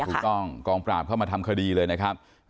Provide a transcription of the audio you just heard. กองปราบเข้ามาทำคดีเลยนะครับ